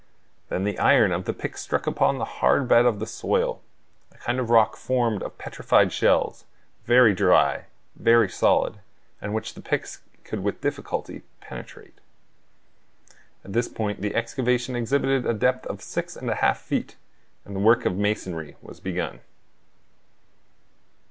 Then the iron of the picks struck upon the hard bed of the soil; a kind of rock formed of petrified shells, very dry, very solid, and which the picks could with difficulty penetrate. At this point the excavation exhibited a depth of six and a half feet and the work of the masonry was begun.